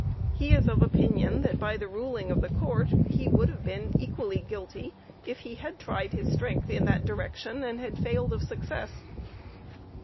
He is of opinion that by the ruling of the Court, he would have been equally guilty, if he had tried his strength in that direction, and had failed of success.